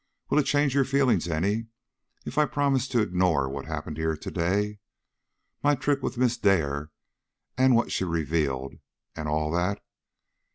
"Will it change your feelings any if I promise to ignore what happened here to day my trick with Miss Dare and what she revealed and all that?